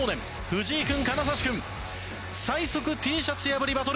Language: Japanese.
藤井君！